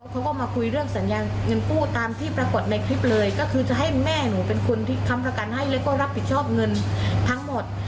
เขาก็มาคุยเรื่องสัญญาเงินกู้ตามที่ปรากฏในคลิปเลยก็คือจะให้แม่หนูเป็นคนที่ค้ำประกันให้แล้วก็รับผิดชอบเงินทั้งหมด